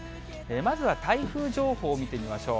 まずは台風情報を見てみましょう。